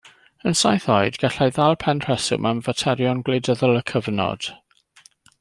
Yn saith oed, gallai ddal pen rheswm am faterion gwleidyddol y cyfnod.